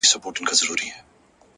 وخت د فرصتونو خام مواد دي.